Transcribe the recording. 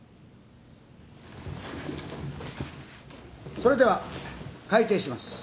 それでは開廷します。